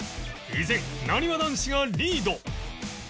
依然なにわ男子がリード